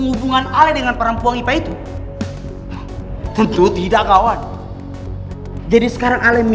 gue udah pernah bilang ya sama lo